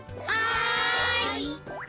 はい！